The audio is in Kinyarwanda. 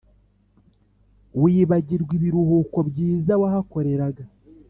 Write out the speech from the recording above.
wibagirwa ibiruhuko byiza wahakoreraga